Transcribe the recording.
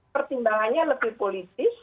pertimbangannya lebih politis